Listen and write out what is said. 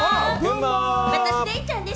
私デイちゃんです！